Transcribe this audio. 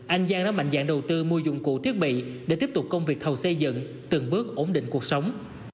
anh giang đã mạnh dạng đầu tư mua dụng cụ thiết bị để tiếp tục công việc thầu xây dựng từng bước ổn định cuộc sống